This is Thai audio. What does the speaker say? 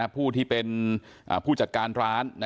ผู้ที่เป็นผู้จัดการร้าน